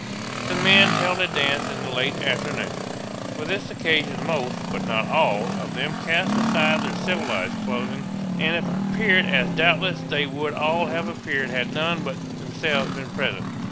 The men held a dance in the late afternoon. For this occasion most, but not all, of them cast aside their civilized clothing, and appeared as doubtless they would all have appeared had none but themselves been present.